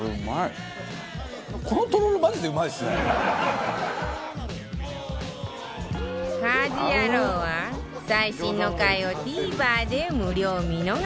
『家事ヤロウ！！！』は最新の回を ＴＶｅｒ で無料見逃し配信